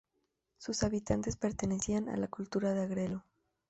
Sus habitantes pertenecían a la cultura de Agrelo.